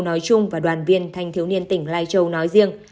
nói chung và đoàn viên thanh thiếu niên tỉnh lai châu nói riêng